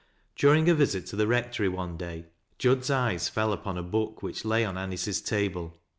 During a visit to the rectory one day, Jud's eyes fell upon a book which lay on Anice's table.